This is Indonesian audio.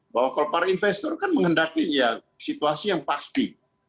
bahwa kalau para investor kan menghendaki ya situasi yang pasti